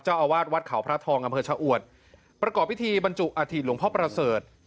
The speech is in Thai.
เจ้าอาวาสวัดเขาพระทองอำเภอชะอวดประกอบพิธีบรรจุอาถิตหลวงพ่อประเสริฐ